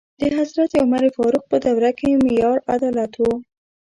د حضرت عمر فاروق په دوره کې معیار عدالت و.